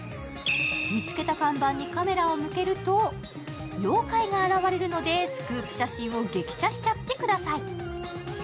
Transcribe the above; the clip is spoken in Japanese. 見つけた看板にカメラを向けると妖怪が現れるのでスクープ写真を激写しちゃってください。